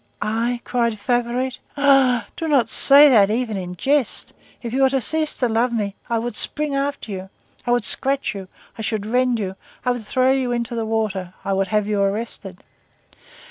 "I!" cried Favourite. "Ah! Do not say that even in jest! If you were to cease to love me, I would spring after you, I would scratch you, I should rend you, I would throw you into the water, I would have you arrested."